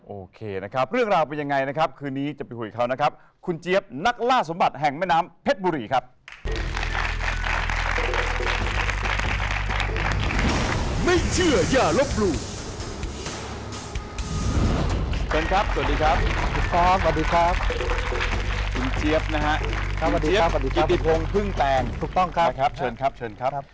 โอเคนะครับเรื่องราวเป็นยังไงนะครับคืนนี้จะไปคุยกับเขานะครับคุณเจี๊ยบนักล่าสมบัติแห่งแม่น้ำเพชรบุรีครับ